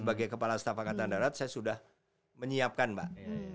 sebagai kepala staf angkatan darat saya sudah menyiapkan mbak